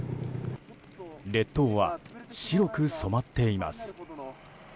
列島は白く染まっています。